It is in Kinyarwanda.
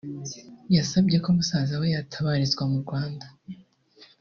wasabye ko musaza we yatabarizwa mu Rwanda